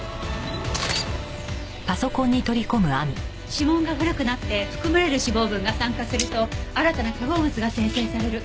指紋が古くなって含まれる脂肪分が酸化すると新たな化合物が生成される。